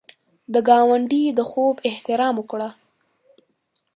د ګاونډي د خوب احترام وکړه